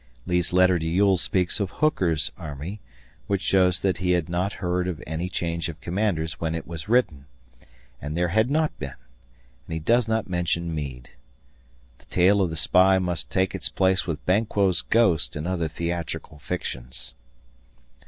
Lee's letter to Ewell speaks of Hooker's army, which shows that he had not heard of any change of commanders when it was written and there had not been and he does not mention Meade. The tale of the spy must take its place with Banquo's ghost and other theatricalfictions.